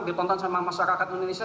ditonton sama masyarakat indonesia